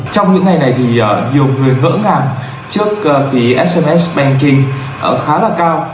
trong những ngày này thì nhiều người ngỡ ngàng trước phí sms banking khá là cao